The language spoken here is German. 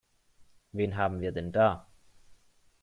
Wen haben wir denn da?